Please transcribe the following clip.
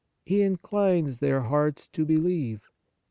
He inclines their hearts to believe.